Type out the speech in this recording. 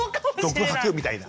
独白みたいな。